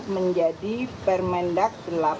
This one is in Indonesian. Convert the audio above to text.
menjadi permendag delapan dua ribu dua puluh empat